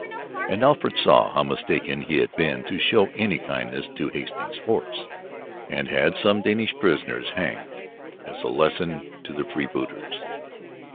And Alfred saw how mistaken he had been to show any kindness to Hastings' force, and had some Danish prisoners hanged as a lesson to the freebooters.